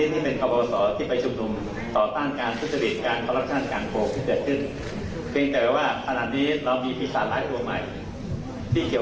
แต่วันเอิญมาสัปดาห์ที่ผ่านมานี้